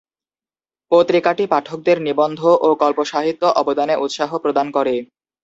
পত্রিকাটি পাঠকদের নিবন্ধ ও কল্পসাহিত্য-অবদানে উৎসাহ প্রদান করে।